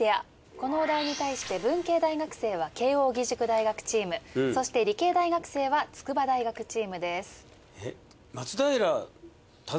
このお題に対して文系大学生は慶応義塾大学チームそして理系大学生は筑波大学チームです。